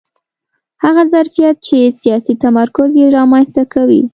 هغه ظرفیت چې سیاسي تمرکز یې رامنځته کوي